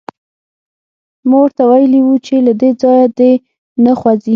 ما ورته ویلي وو چې له دې ځایه دې نه خوځي